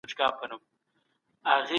له ايمان وروسته بدنومي يو فسق دی.